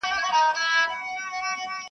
نيمه خوږه نيمه ترخه وه ښه دى تېره سوله,